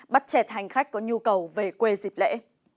bắt chẹt hành khách có nhu cầu về quê dịp lễ